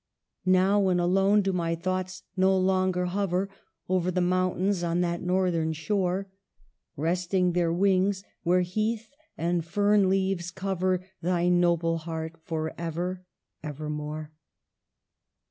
" Now, when alone, do my thoughts no longer hover Over the mountains, on that northern shore, Resting their wings where heath and fern leaves cover Thy noble heart forever, evermore